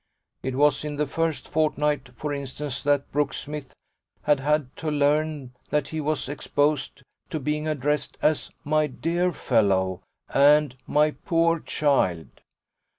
It was in the first fortnight for instance that Brooksmith had had to learn that he was exposed to being addressed as "my dear fellow" and "my poor child."